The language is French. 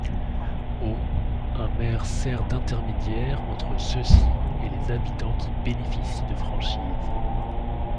Au un maire sert d'intermédiaire entre ceux-ci et les habitants qui bénéficient de franchises.